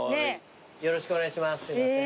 よろしくお願いします。